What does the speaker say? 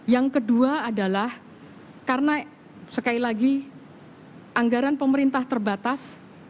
yang kedua adalah karena sekali lagi anggaran pemerintah terbatas